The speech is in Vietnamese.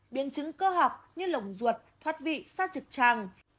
biên chứng cơ học như lồng ruột thoát vị xa trực tràng